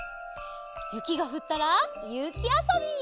ゆきがふったらゆきあそび。